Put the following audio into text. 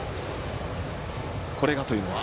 これがというのは？